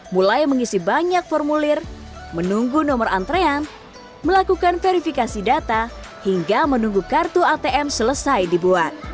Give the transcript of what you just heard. mulai mengisi banyak formulir menunggu nomor antrean melakukan verifikasi data hingga menunggu kartu atm selesai dibuat